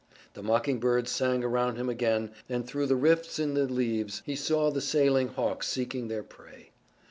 The mockingbirds sang around him again and through the rifts in the leaves he saw the sailing hawks seeking their prey.